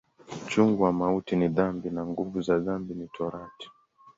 Uchungu wa mauti ni dhambi, na nguvu za dhambi ni Torati.